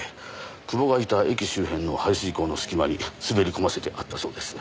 久保がいた駅周辺の排水溝の隙間に滑り込ませてあったそうです。